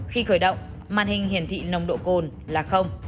khi khởi động màn hình hiển thị nồng độ cồn là không